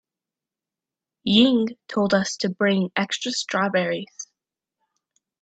Ying told us to bring extra strawberries.